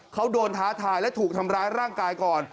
เขาโดนท้าทายและถูกทำร้ายร่างกายก่อน